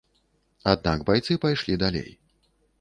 Аднак байцы пайшлі далей.